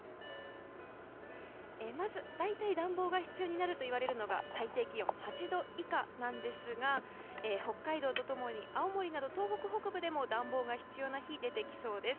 まず、大体暖房が必要になるといわれるのが最低気温８度以下なんですが北海道と共に青森など東北北部でも暖房が必要な日が出てきそうです。